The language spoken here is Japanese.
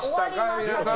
皆さん。